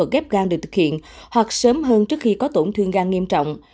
gian được thực hiện hoặc sớm hơn trước khi có tổn thương gan nghiêm trọng